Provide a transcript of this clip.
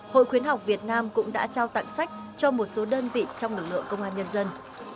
hội khuyến học việt nam cũng đã trao tặng sách cho một số đơn vị trong lực lượng công an nhân dân